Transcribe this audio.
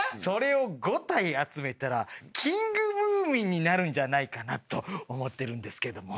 それを５体集めたらキングムーミンになるんじゃないかなと思ってるんですけども。